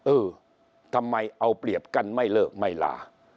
เออทำไมเอาเปรียบกันไม่เลิกไม่ลา